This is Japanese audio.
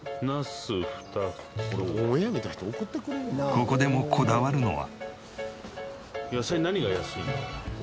ここでもこだわるのは。